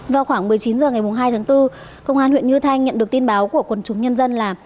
vào khoảng một mươi chín h ngày hai tháng bốn công an huyện như thanh nhận được tin báo của quần chúng nhân dân là